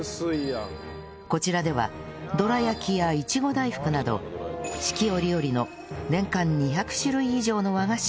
こちらではどら焼きやいちご大福など四季折々の年間２００種類以上の和菓子を販売